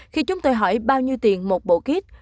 khi chúng tôi hỏi bao nhiêu tiền một bộ kit